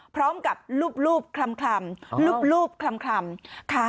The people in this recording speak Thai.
พร้อมกับลูบคล่ำลูบคล่ำค่ะ